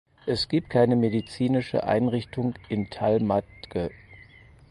Es gibt keine medizinische Einrichtung in Talmadge.